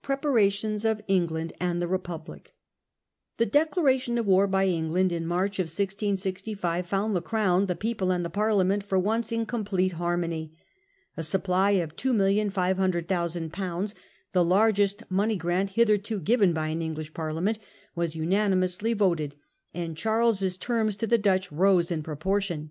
Preparations of England and tiie Republic. The declaration of war by England in March, 1665, found the Crown, the people, and the Parliament for once English pre m com plete harmony. A supply of 2,500,000/., parations. the largest money grant hitherto given by an English Parliament, was unanimously voted ; and Charles's terms to the Dutch rose in proportion.